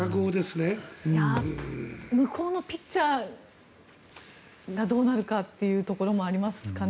向こうのピッチャーがどうなるかというところもありますかね。